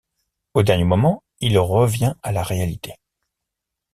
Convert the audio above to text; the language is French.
Au dernier moment, il revient à la réalité.